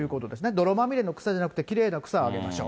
泥まみれの草じゃなくて、きれいな草をあげましょう。